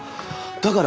だから。